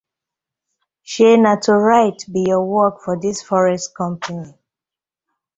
Shey na to write bi yur work for dis forest company.